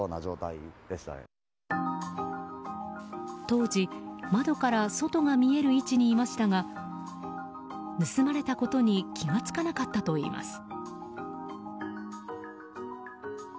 当時、窓から外が見える位置にいましたが盗まれたことに気がつかなかったといいます。